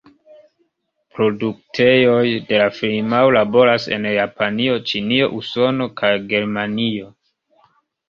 Produktejoj de la firmao laboras en Japanio, Ĉinio, Usono kaj Germanio.